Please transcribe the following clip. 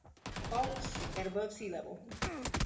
Fowlkes at above sea level.